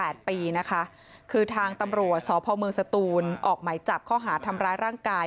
อายุ๒๘ปีนะคะคือทางตำรวจสพศตูลออกใหม่จับเขาหาทำร้ายร่างกาย